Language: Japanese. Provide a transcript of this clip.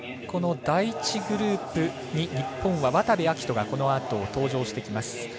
この第１グループに日本は渡部暁斗がこのあと登場してきます。